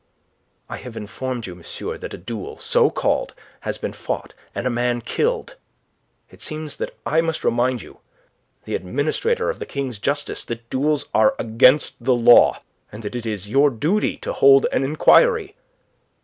"I have informed you, monsieur, that a duel so called has been fought, and a man killed. It seems that I must remind you, the administrator of the King's justice, that duels are against the law, and that it is your duty to hold an inquiry.